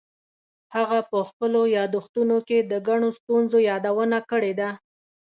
هغه په خپلو یادښتونو کې د ګڼو ستونزو یادونه کړې ده.